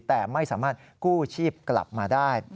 แต่ไม่สามารถกู้ชีพกลับมาได้